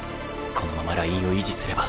このままラインを維持すれば。